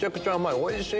おいしい。